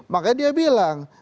makanya dia bilang